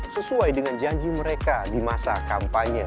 sesuai dengan janji mereka di masa kampanye